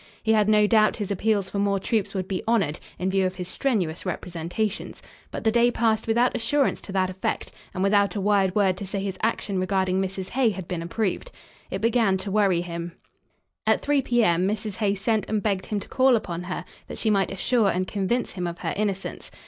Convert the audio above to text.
He had no doubt his appeals for more troops would be honored, in view of his strenuous representations, but the day passed without assurance to that effect and without a wired word to say his action regarding Mrs. Hay had been approved. It began to worry him. At 3 P. M. Mrs. Hay sent and begged him to call upon her that she might assure and convince him of her innocence.